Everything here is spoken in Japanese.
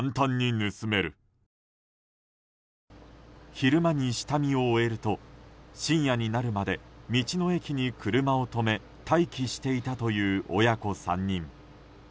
昼間に下見を終えると深夜になるまで道の駅に車を止め待機していたという親子３人。